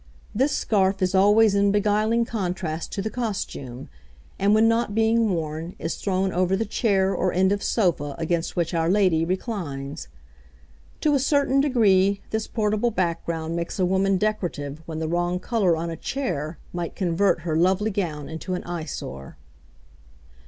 This scarf is always in beguiling contrast to the costume, and when not being worn, is thrown over the chair or end of sofa against which our lady reclines. To a certain degree, this portable background makes a woman decorative when the wrong colour on a chair might convert her lovely gown into an eyesore.